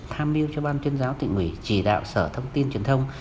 tham mưu cho ban tuyên giáo tỉnh ủy chỉ đạo sở thông tin truyền thông